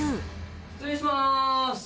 失礼しまーす。